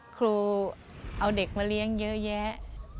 ครูเอาเด็กมาเลี้ยงเยอะแยะ